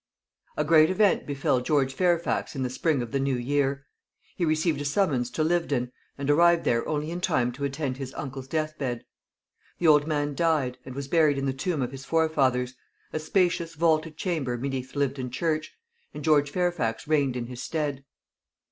A great event befell George Fairfax in the spring of the new year. He received a summons to Lyvedon, and arrived there only in time to attend his uncle's death bed. The old man died, and was buried in the tomb of his forefathers a spacious vaulted chamber beneath Lyvedon church and George Fairfax reigned in his stead.